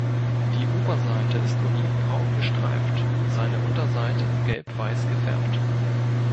Die Oberseite ist olivbraun gestreift und seine Unterseite gelbweiß gefärbt.